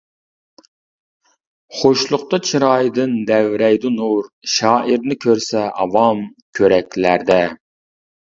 خۇشلۇقتا چىرايىدىن دەۋرەيدۇ نۇر، شائىرنى كۆرسە ئاۋام كۆرەكلەردە.